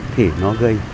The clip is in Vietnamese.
thì nó gây